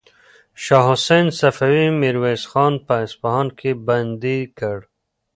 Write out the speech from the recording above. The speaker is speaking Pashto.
شاه حسین صفوي میرویس خان په اصفهان کې بندي کړ.